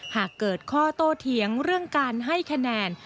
หากเกิดข้อโตเถียงเรื่องการให้คะแนน